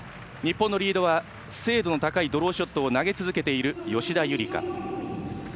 日本のリードは精度の高いドローショットを投げ続けている吉田夕梨花。